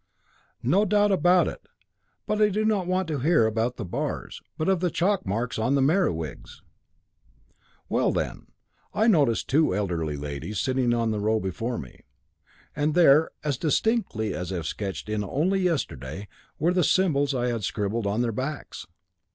"No doubt about it. But I do not want to hear about the bars, but of the chalk marks on the Merewigs." "Well, then, I noticed two elderly ladies sitting in the row before me, and there as distinctly as if sketched in only yesterday were the symbols I had scribbled on their backs.